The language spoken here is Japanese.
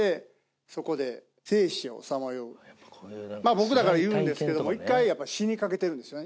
僕だから言うんですけども一回死にかけてるんですよね